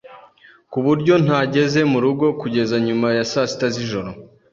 ku buryo ntageze mu rugo kugeza nyuma ya saa sita z'ijoro.